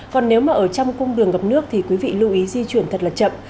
còn nếu mà ở trong cung đường ngập nước thì quý vị lưu ý di chuyển thật là chậm